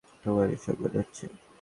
তোমার এসব মনে হচ্ছে?